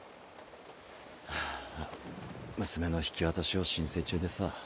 あーあ娘の引き渡しを申請中でさ